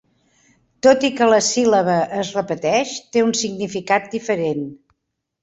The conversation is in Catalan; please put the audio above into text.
Tot i que la síl·laba es repeteix, té un significat diferent.